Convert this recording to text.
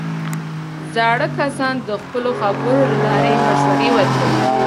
زاړه کسان د خپلو خبرو له لارې مشوره ورکوي